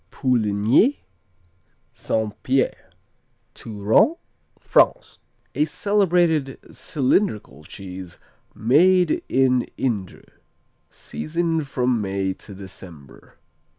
Pouligny St. Pierre Touraine, France A celebrated cylindrical cheese made in Indre. Season from May to December.